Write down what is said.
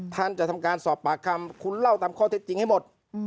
ท่านจะทำการสอบปากคำคุณเล่าตามข้อเท็จจริงให้หมด